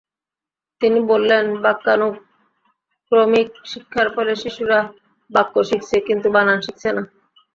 তিনি বললেন, বাক্যানুক্রমিক শিক্ষার ফলে শিশুরা বাক্য শিখছে, কিন্তু বানান শিখছে না।